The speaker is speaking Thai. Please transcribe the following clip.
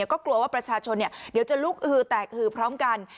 ก็กลัวว่าประชาชนเดี๋ยวจะลุกอือแตกหือพร้อมกัน